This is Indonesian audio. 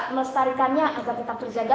melestarikannya agar tetap terjaga